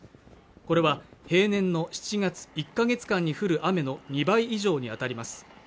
これは平年の７月１か月間に降る雨の２倍以上にあたります